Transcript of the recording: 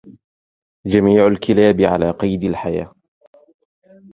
جميع الكلاب على قيد الحياة.